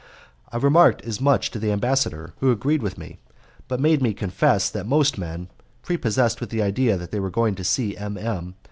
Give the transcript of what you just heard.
I remarked as much to the ambassador, who agreed with me, but made me confess that most men, prepossessed with the idea that they were going to see M. M.